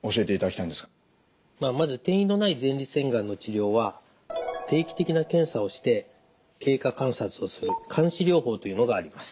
まあまず転移のない前立腺がんの治療は定期的な検査をして経過観察をする監視療法というのがあります。